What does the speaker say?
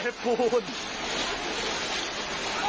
เทพภูนิ